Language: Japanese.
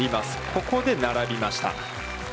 ここで並びました。